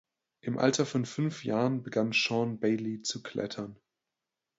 Im Alter von fünf Jahren begann Sean Bailey zu klettern.